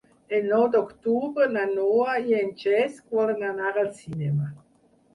El nou d'octubre na Noa i en Cesc volen anar al cinema.